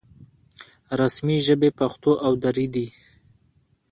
رسمي ژبې پښتو او دري دي